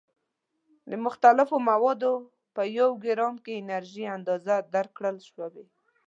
د مختلفو موادو په یو ګرام کې انرژي اندازه درکړل شوې.